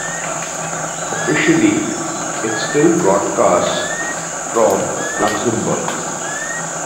Officially, it still broadcasts from Luxembourg.